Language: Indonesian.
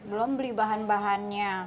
belom beli bahan bahannya